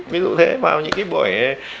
ví dụ như thế vào những buổi